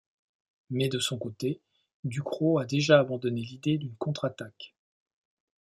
Mais de son côté, Ducrot a déjà abandonné l'idée d'une contre-attaque.